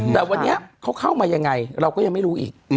แต่วันนี้เขาเข้ามายังไงเราก็ยังไม่รู้อีก